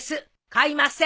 買いません！